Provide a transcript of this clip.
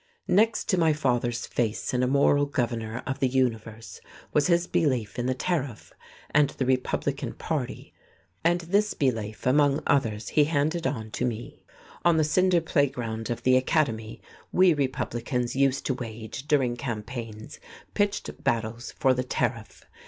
Next to my father's faith in a Moral Governor of the Universe was his belief in the Tariff and the Republican Party. And this belief, among others, he handed on to me. On the cinder playground of the Academy we Republicans used to wage, during campaigns, pitched battles for the Tariff.